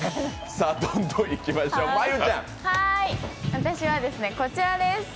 私はこちらです。